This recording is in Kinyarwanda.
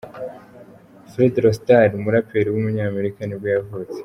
Fredro Starr, umuraperi w’umunyamerika nibwo yavutse.